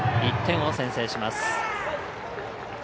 １点を先制します。